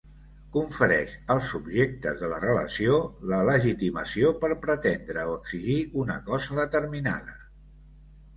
Confereix als subjectes de la relació la legitimació per pretendre o exigir una cosa determinada.